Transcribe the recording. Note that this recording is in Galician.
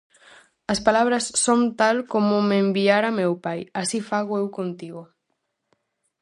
As palabras son tal como me enviara meu pai, así fago eu contigo.